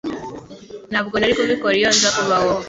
Ntabwo nari kubikora iyo nza kuba wowe